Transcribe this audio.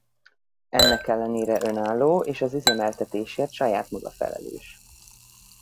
Ennek ellenére önálló és az üzemeltetésért saját maga felelős.